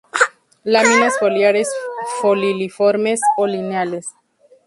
Láminas foliares filiformes, o lineales.